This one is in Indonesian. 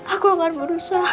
aku akan berusaha